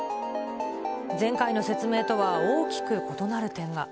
前回の説明とは大きく異なる点が。